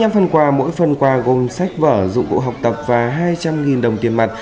chín mươi năm phần quà mỗi phần quà gồm sách vở dụng vụ học tập và hai trăm linh đồng tiền mặt